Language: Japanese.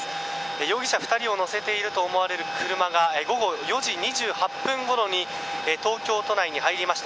容疑者２人を乗せていると思われる車が午後４時２８分ごろに東京都内に入りました。